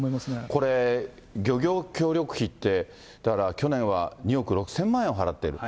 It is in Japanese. これ、漁業協力費って、だから去年は２億６０００万円を払っている。